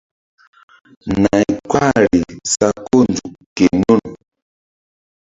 Nay kpahri sa ko nzuk ke nun.